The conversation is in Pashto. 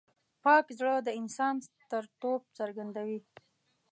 پاک زړه د انسان سترتوب څرګندوي.